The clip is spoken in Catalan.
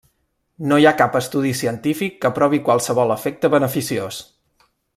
No hi ha cap estudi científic que provi qualsevol efecte beneficiós.